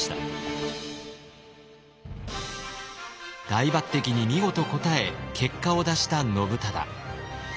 大抜擢に見事応え結果を出した信忠。